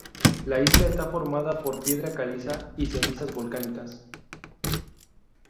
La isla está formada por piedra caliza y cenizas volcánicas.